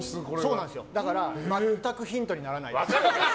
だから全くヒントにならないです。